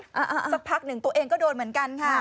สักพักหนึ่งตัวเองก็โดนเหมือนกันค่ะ